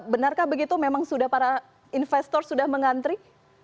benarkah begitu memang sudah para investor sudah mengantri